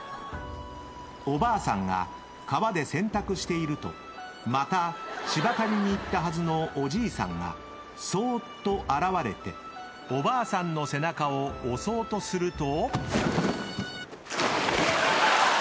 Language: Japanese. ［おばあさんが川で洗濯しているとまたしば刈りに行ったはずのおじいさんがそうっと現れておばあさんの背中を押そうとすると］